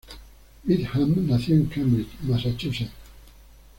Bingham nació en Cambridge, Massachusetts.